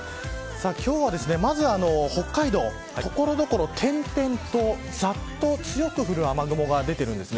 今日はまず北海道所々点々とざっと強く降る雨雲が出ているんです。